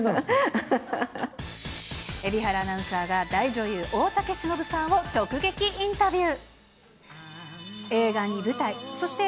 蛯原アナウンサーが大女優、大竹しのぶさんを直撃インタビュー。